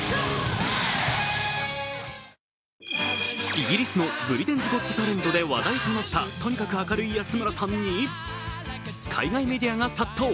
イギリスの「ブリテンズ・ゴット・タレント」で話題となったとにかく明るい安村さんに海外メディアが殺到。